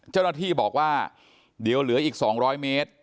เจ้าหน้าที่บอกว่าเดี๋ยวเหลืออีก๒๐๐เมตร